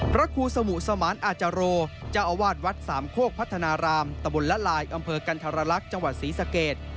พระครูสมุสมานอาจาโรเจ้าอาวาสวัดสามโคกพัฒนารามตะบนละลายอำเภอกันธรรลักษณ์จังหวัดศรีสเกต